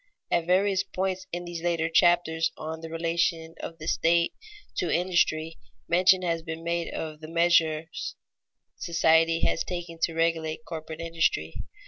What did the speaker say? At various points in these later chapters on the relation of the state to industry, mention has been made of the measures society has taken to regulate corporate industry.